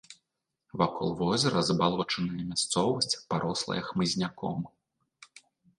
Вакол возера забалочаная мясцовасць, парослая хмызняком.